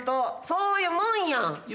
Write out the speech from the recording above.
そういうもんやん！